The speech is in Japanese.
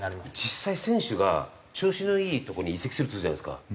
実際選手が調子のいいとこに移籍するとするじゃないですか。